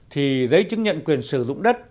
thì giấy chứng nhận quyền sử dụng đất